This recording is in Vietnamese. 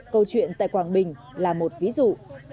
câu chuyện tại quảng bình là một ví dụ